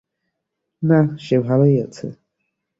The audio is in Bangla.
না, সে ভালোই আছে।